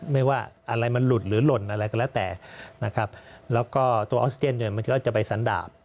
ไม่ว่าอะไรมันหลุดหรือหล่นอะไรก็แล้วแต่นะครับแล้วก็ตัวออกซิเจนเนี่ยบางทีก็จะไปสันดาบ